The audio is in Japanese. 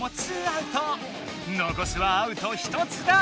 のこすはアウト１つだ！